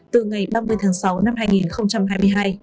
từ ngày ba mươi tháng sáu năm hai nghìn hai mươi hai